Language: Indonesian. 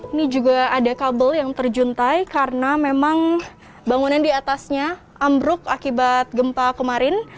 ini juga ada kabel yang terjuntai karena memang bangunan di atasnya ambruk akibat gempa kemarin